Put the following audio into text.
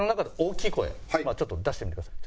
ちょっと出してみてください。